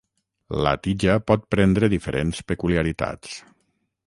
La tija pot prendre diferents peculiaritats.